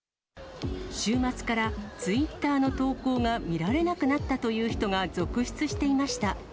週末からツイッターの投稿が見られなくなったという人が続出していました。